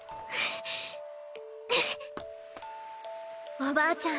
おばあちゃん